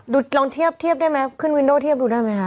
ดูลองเทียบเทียบได้มั้ยขึ้นวินโด่เทียบดูได้ไหมครับ